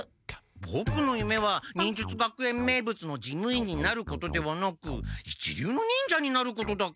ボクのゆめは忍術学園名物の事務員になることではなく一流の忍者になることだから。